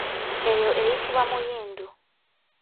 Eyo eyitibwa muyindu.